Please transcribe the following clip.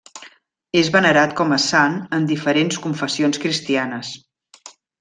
És venerat com a sant en diferents confessions cristianes.